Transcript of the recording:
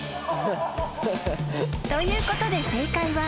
［ということで正解は］